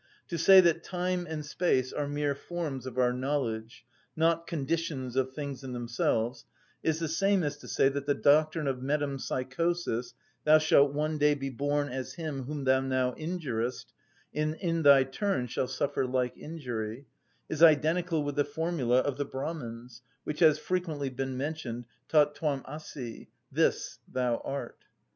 To say that time and space are mere forms of our knowledge, not conditions of things in themselves, is the same as to say that the doctrine of metempsychosis, "Thou shalt one day be born as him whom thou now injurest, and in thy turn shalt suffer like injury," is identical with the formula of the Brahmans, which has frequently been mentioned, Tat twam asi, "This thou art."